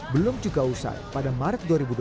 belum juga usai pada maret dua ribu dua puluh